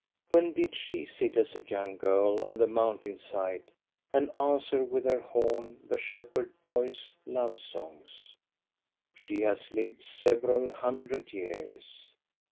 When did she sit as a young girl on the mountain side and answer with her horn the shepherd boy's love songs? She has lived several hundred years.